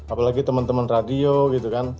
apalagi temen temen radio gitu kan